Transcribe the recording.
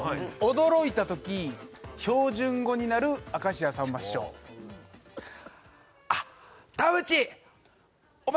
驚いたとき標準語になる明石家さんま師匠あっ田渕お前